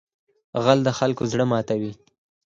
غل د خلکو زړه ماتوي